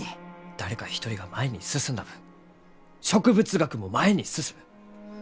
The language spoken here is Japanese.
誰か一人が前に進んだ分植物学も前に進む！